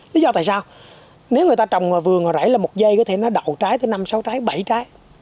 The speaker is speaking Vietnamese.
lý do tại sao nếu người ta trồng vườn và rẻ là một dây có thể nó đậu trái tới năm sáu trái bảy trái